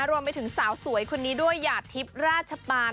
รวมไปถึงสาวสวยคนนี้ด้วยหยาดทิพย์ราชปาน